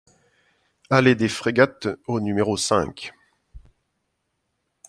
Allée des Frégates au numéro cinq